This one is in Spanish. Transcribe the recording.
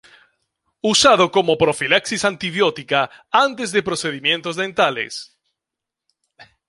Usado como profilaxis antibiótica antes de procedimientos dentales.